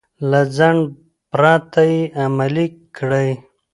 له ځنډ پرته يې عملي کړئ.